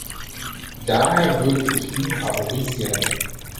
Daher würde ich ihn favorisieren.